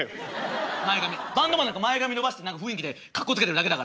バンドマンなんか前髪伸ばして何か雰囲気でかっこつけてるだけだから。